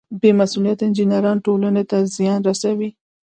بې مسؤلیته انجینران ټولنې ته زیان رسوي.